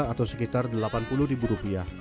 atau sekitar delapan puluh rupiah